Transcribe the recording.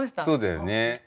そうだよね。